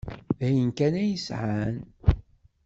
D ayen kan ay sɛan.